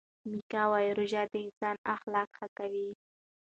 میکا وايي روژه د انسان اخلاق ښه کوي.